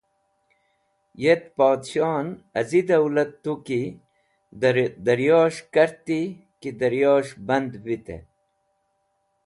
Yet podshoh en az̃i dawlati tu ki dẽ daryo’es̃h karti ki daryo’s̃h band vit.